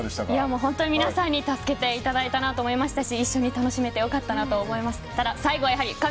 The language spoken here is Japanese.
本当に皆さんに助けていただいたなと思いますし一緒に楽しめて良かったなと思います。